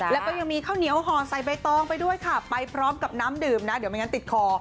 แล้วก็ยังมีข้าวเหนียวห่อใส่ใบตองไปด้วยค่ะไปพร้อมกับน้ำดื่มนะเดี๋ยวไม่งั้นติดคอ